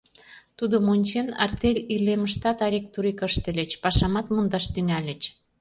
Тудым ончен, артель илемыштат арик-турик ыштыльыч, пашамат мондаш тӱҥальыч.